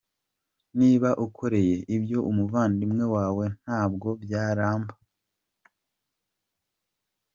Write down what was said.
Niba ukoreye ibyo umuvandimwe wawe ntabwo byaramba.